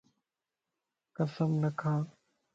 قسم نه کا